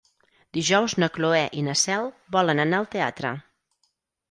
Dijous na Cloè i na Cel volen anar al teatre.